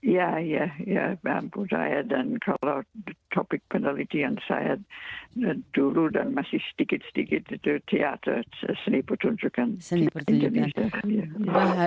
ya ya ya budaya dan kalau topik penelitian saya dulu dan masih sedikit sedikit itu teater seni pertunjukan indonesia